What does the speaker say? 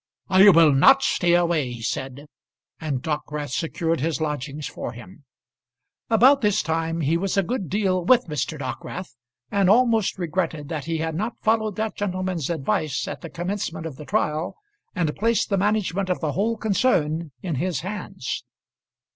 "I will not stay away," he said; and Dockwrath secured his lodgings for him. About this time he was a good deal with Mr. Dockwrath, and almost regretted that he had not followed that gentleman's advice at the commencement of the trial, and placed the management of the whole concern in his hands.